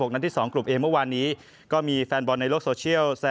นัดที่๒กลุ่มเองเมื่อวานนี้ก็มีแฟนบอลในโลกโซเชียล